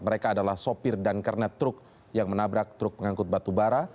mereka adalah sopir dan kernet truk yang menabrak truk pengangkut batu bara